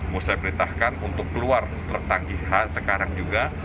mustahil perintahkan untuk keluar tertanggihan sekarang juga